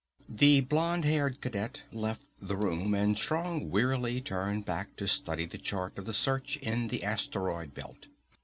The blond haired cadet left the room, and Strong wearily turned back to study the chart of the search in the asteroid belt.